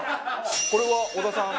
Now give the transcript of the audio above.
これは織田さん。